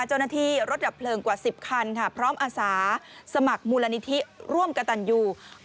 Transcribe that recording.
เจ้าหน้าที่รถดับเพลิงกว่า๑๐คันค่ะพร้อมอาสาสมัครมูลนิธิร่วมกระตันยู